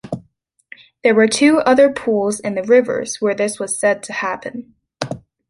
There were two other pools in the rivers where this was said to happen.